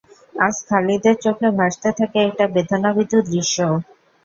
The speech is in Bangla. আজ খালিদের চোখে ভাসতে থাকে একটি বেদনাবিধুর দৃশ্য।